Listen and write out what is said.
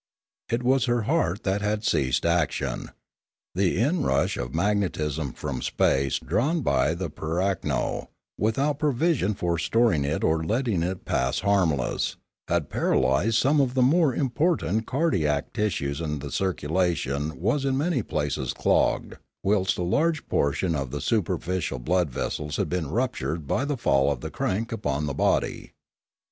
It was her heart that had ceased action; the inrush of mag netism from space drawn by the pirakno, without pro vision for storing it or letting it pass harmless, had paralysed some of the more important cardiac tissues and the circulation was in many places clogged, whilst a large proportion of the superficial blood vessels had been ruptured by the fall of the crank upon the body.